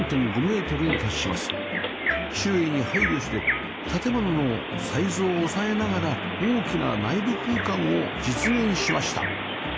周囲に配慮して建物のサイズを抑えながら大きな内部空間を実現しました